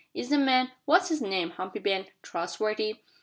Is the man what's his name, Humpy Ben trustworthy?"